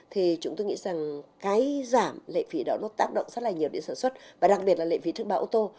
thì chúng tôi nghĩ rằng cái giảm lợi phí đó nó tác động rất là nhiều đến sản xuất và đặc biệt là lợi phí thức báo ô tô